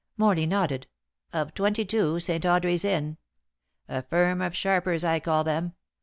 Morley nodded. "Of twenty two, St. Audrey's Inn. A firm of sharpers I call them.